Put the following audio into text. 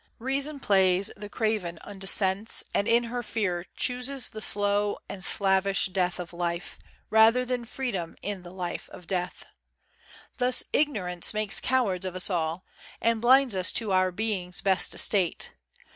Reason plays The craven unto sense, and in her fear Chooses the slow and slavish death of life, Rather than freedom in the life of death. "Thus Ignorance makes cowards of us all," And blinds us to our being's best estate.